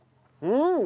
うん。